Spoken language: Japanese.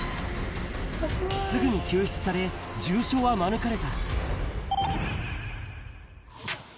すぐに救出され、重傷は免れた。